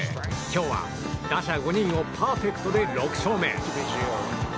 今日は打者５人をパーフェクトで６勝目。